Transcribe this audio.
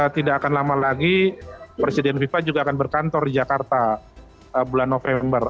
tidak akan lama lagi presiden fifa juga akan berkantor di jakarta bulan november